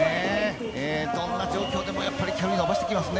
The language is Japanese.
どんな状況でも距離を伸ばしてきますね。